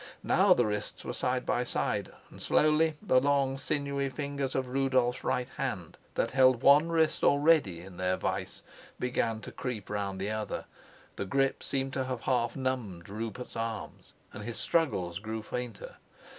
Now the wrists were side by side, and slowly the long sinewy fingers of Rudolf's right hand, that held one wrist already in their vise, began to creep round the other. The grip seemed to have half numbed Rupert's arms, and his struggles grew fainter.